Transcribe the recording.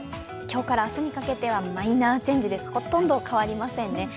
今日から明日にかけてはマイナーチェンジです、ほとんど変わりませんね。